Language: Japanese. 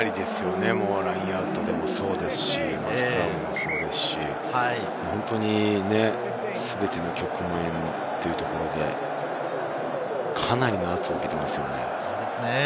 ラインアウトでもそうですし、スクラムもそうですし、全ての局面というところで、かなりの圧を受けていますよね。